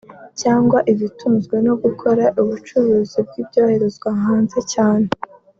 cyangwa ibitunzwe no gukora ubucuruzi bw’ ibyoherezwa hanze cyane